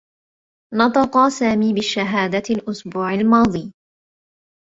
نطق سامي بالشّهادة الأسبوع الماضي.